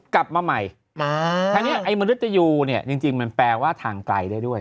กลับมาใหม่ทีนี้มนุษยูเนี่ยจริงอย่างว่าทางไกลได้ด้วย